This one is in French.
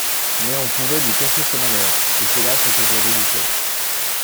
Mais on pouvait lui cacher ce malheur, et c'est là ce que je redoutais.